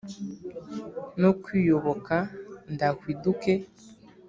n’ukwiyoboka ndahwiduke.